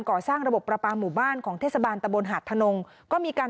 ก่อสร้างระบบประปาหมู่บ้านของเทศบาลตะบนหาดทนงก็มีการ